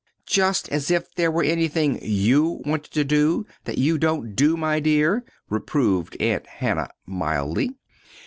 "Just as if there were anything you wanted to do that you don't do, my dear," reproved Aunt Hannah, mildly.